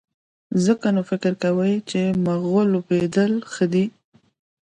ځکه نو فکر کوئ چې مغلوبېدل ښه دي.